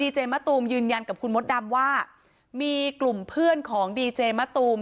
เจมะตูมยืนยันกับคุณมดดำว่ามีกลุ่มเพื่อนของดีเจมะตูม